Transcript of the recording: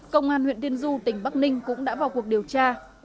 công an huyện tiên du tỉnh bắc ninh cũng đã vào cuộc điều tra